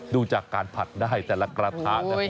ดูจากการผัดได้แต่ละกระทาน